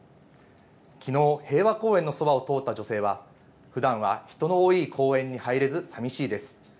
きのう、平和公園のそばを通った女性は、ふだんは人の多い公園に入れずさみしいです。